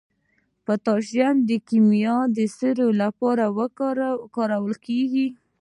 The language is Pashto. پوټاش د کیمیاوي سرې لپاره کارول کیږي.